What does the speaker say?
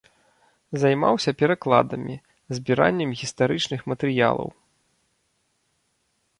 Займаўся перакладамі, збіраннем гістарычных матэрыялаў.